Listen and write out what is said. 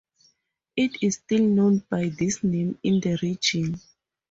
It is still known by this name in the region.